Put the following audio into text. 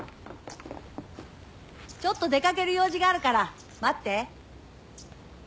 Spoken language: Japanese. ちょっと出掛ける用事があるから待って。